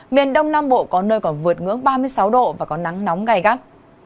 miền đông nam bộ có nơi còn vượt ngưỡng ba mươi sáu độ và có nắng nóng gai gắt